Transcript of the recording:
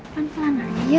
pelan pelan aja ya